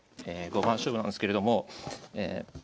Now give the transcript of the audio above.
五番勝負なんですけれども。